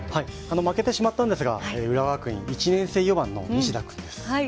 負けてしまったんですが浦和学院、１年生４番の西田君です。